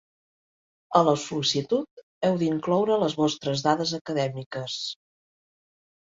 A la sol·licitud heu d'incloure les vostres dades acadèmiques.